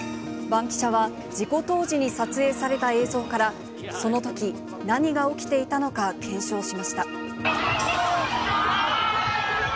バンキシャは事故当時に撮影された映像から、そのとき何が起きていたのか検証しました。